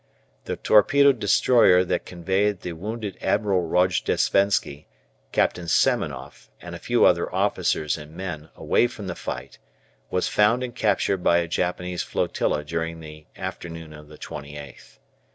The torpedo destroyer that conveyed the wounded Admiral Rojdestvensky, Captain Semenoff, and a few other officers and men away from the fight was found and captured by a Japanese flotilla during the afternoon of the 28th.